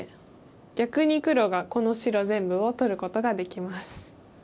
逆に黒がこの白全部を取ることができます。